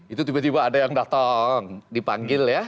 itu tiba tiba ada yang datang dipanggil ya